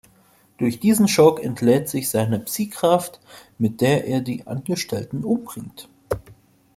Durch diesen Schock entlädt sich seine Psi-Kraft, mit der er die Angestellten umbringt.